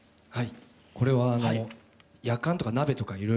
はい。